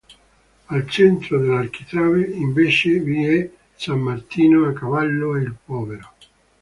Al centro dekll'architrave, invece, vi è "San Martino a cavallo e il povero".